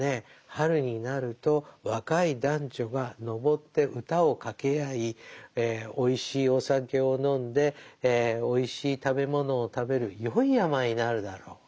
春になると若い男女が登って歌を掛け合いおいしいお酒を飲んでおいしい食べ物を食べるよい山になるだろう。